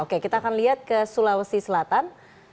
oke kita akan lihat ke sulawesi selatan